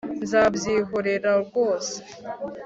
nzabyihorera rwose